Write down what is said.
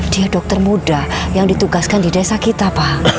dia dokter muda yang ditugaskan di desa kita pak